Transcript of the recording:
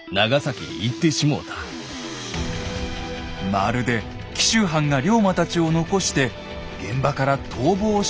まるで紀州藩が龍馬たちを残して現場から逃亡したかのような書きっぷり。